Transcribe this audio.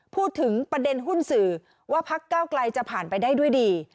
พูดถึงประเด็นหุ้นสื่อว่าพักเก้าไกลจะผ่านไปได้ด้วยดี